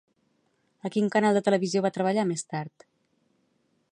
A quin canal de televisió va treballar més tard?